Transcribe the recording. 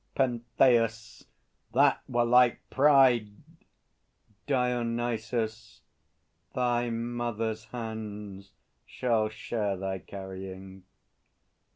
PENTHEUS. That were like pride! DIONYSUS. Thy mother's hands shall share Thy carrying.